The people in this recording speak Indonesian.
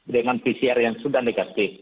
dengan pcr yang sudah negatif